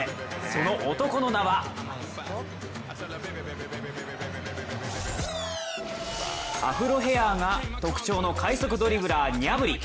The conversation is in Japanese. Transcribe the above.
その男の名はアフロヘアが特徴の快足ドリブラー、ニャブリ。